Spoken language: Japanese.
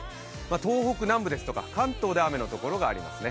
東北南部ですとか関東で雨のところがありますね。